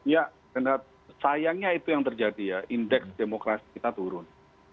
ya sayangnya itu yang terjadi ya indeks demokrasi kita turun